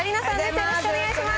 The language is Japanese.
よろしくお願いします。